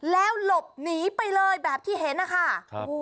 แล้วหลบหนีไปเลยแบบที่เห็นนะคะ